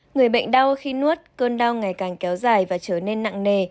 người bệnh đau khi nuốt cơn đau ngày càng kéo dài và trở nên nặng nề